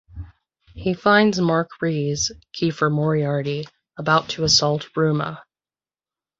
He finds Mark Rees (Kiefer Moriarty) about to assault Ruhma.